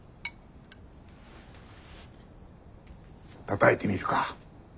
たたいてみるか？